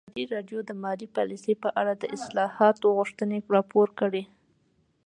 ازادي راډیو د مالي پالیسي په اړه د اصلاحاتو غوښتنې راپور کړې.